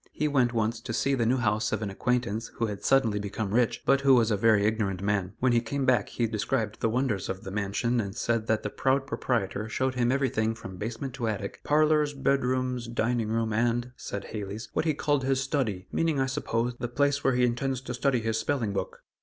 He went once to see the new house of an acquaintance who had suddenly become rich, but who was a very ignorant man. When he came back he described the wonders of the mansion and said that the proud proprietor showed him everything from basement to attic; "parlors, bed rooms, dining room, and," said Hales, "what he called his 'study' meaning, I suppose, the place where he intends to study his spelling book!"